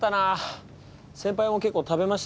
先輩も結構食べましたね。